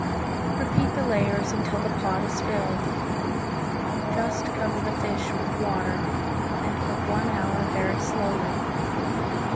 Repeat the layers until the pot is filled. Just cover the fish with water and cook one hour very slowly.